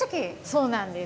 そうなんです。